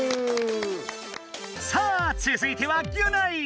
さあつづいてはギュナイ！